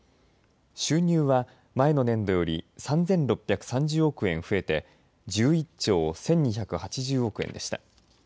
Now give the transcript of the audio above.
収入は前の年度より３６３０億円増えて１１兆１２８０億円でした。